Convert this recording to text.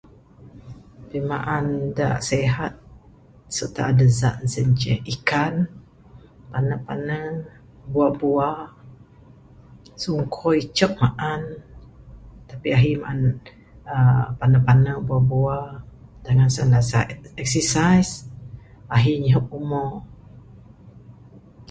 Pimaan da sehat serta adeh zat sien ceh ikan, pane-pane, bua-bua, sungkoi icek maan tapi ahi maan aaa pane-pane, bua-bua dangan exe...exercise, ahi nyihep umo.